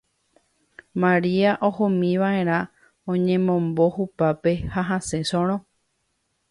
Maria ohómiva'erá oñemombo hupápe ha hasẽ soro.